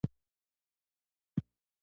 د لیک لهجه آمرانه وه.